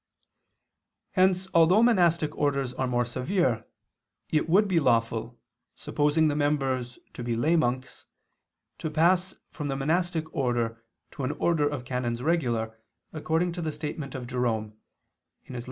Hence although monastic orders are more severe, it would be lawful, supposing the members to be lay monks, to pass from the monastic order to an order of canons regular, according to the statement of Jerome (Ep.